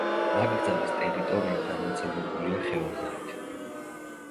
ნაკრძალის ტერიტორია დანაწევრებულია ხეობებით.